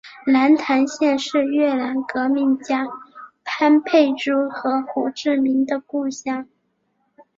南坛县是越南革命家潘佩珠和胡志明的故乡。